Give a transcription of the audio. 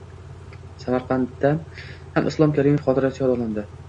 Samarqandda ham Islom Karimov xotirasi yod olindi.